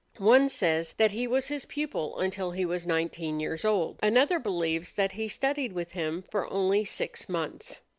One says that he was his pupil until he was nineteen years old; another believes that he studied with him for only six months.